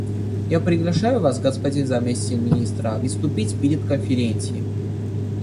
Я приглашаю Вас, господин заместитель Министра, выступить перед Конференцией.